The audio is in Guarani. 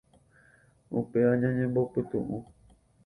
Upéva ñanembopytu'u.